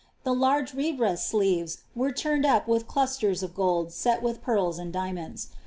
The krge re^as sleeves wen turned up with clusters of ^d set with pearis and dkmonds.